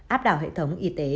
áp đảo hệ thống y tế